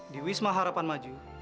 di wisma harapan maju